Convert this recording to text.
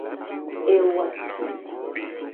Ewati.